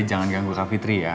jangan ganggu kak fitri ya